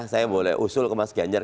saya boleh usul ke mas ganjar